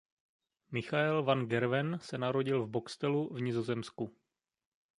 Michael van Gerwen se narodil v Boxtelu v Nizozemsku.